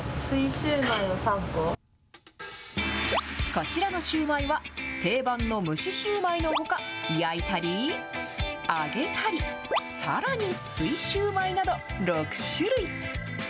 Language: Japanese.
こちらのシューマイは、定番の蒸しシューマイのほか、焼いたり、揚げたり、さらに水シューマイなど、６種類。